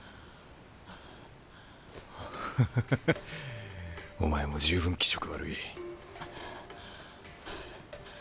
ハハハお前も十分気色悪い。